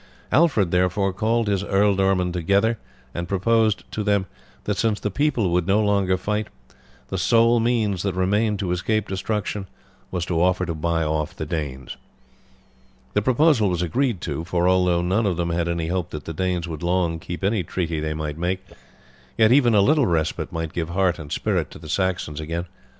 Alfred therefore called his ealdormen together and proposed to them, that since the people would no longer fight, the sole means that remained to escape destruction was to offer to buy off the Danes. The proposal was agreed to, for although none of them had any hope that the Danes would long keep any treaty they might make, yet even a little respite might give heart and spirit to the Saxons again.